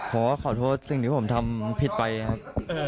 ขอโทษสิ่งที่ผมทำผิดไปครับ